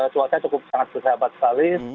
cuaca cukup sangat bersahabat sekali